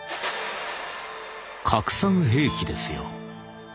「『核酸兵器』ですよ。